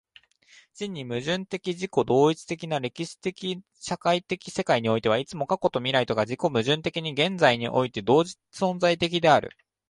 真に矛盾的自己同一的な歴史的社会的世界においては、いつも過去と未来とが自己矛盾的に現在において同時存在的である。